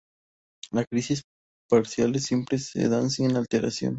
Las crisis parciales simples se dan sin alteración del estado de conciencia.